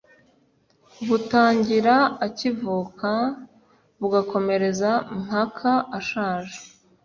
butangira akivuka, bugakomereza mpaka ashaje